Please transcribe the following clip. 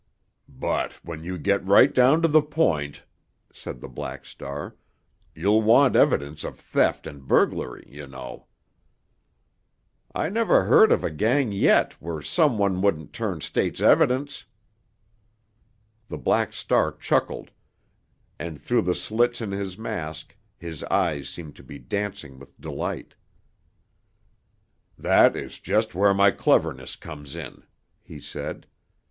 "But, when you get right down to the point," said the Black Star, "you'll want evidence of theft and burglary, you know." "I never heard of a gang yet where some one wouldn't turn state's evidence." The Black Star chuckled, and through the slits in his mask his eyes seemed to be dancing with delight. "That is just where my cleverness comes in," he said.